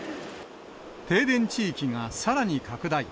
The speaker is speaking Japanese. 停電地域がさらに拡大。